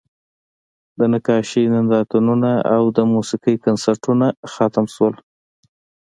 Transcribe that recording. د نقاشۍ نندارتونونه او د موسیقۍ کنسرتونه ختم شول